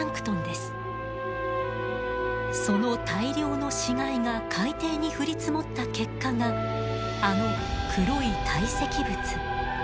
その大量の死骸が海底に降り積もった結果があの黒い堆積物。